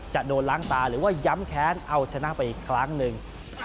จะโดนล้างตาหรือว่าย้ำแค้นเอาชนะไปอีกครั้งหนึ่ง